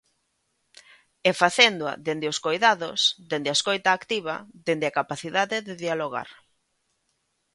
E facéndoa dende os coidados, dende a escoita activa, dende a capacidade de dialogar.